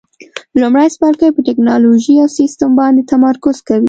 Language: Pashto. لومړی څپرکی په ټېکنالوجي او سیسټم باندې تمرکز کوي.